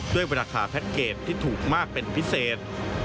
ด้วยราคาแพ็คเกจที่ถูกมากเป็นพิเศษ